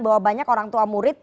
bahwa banyak orang tua murid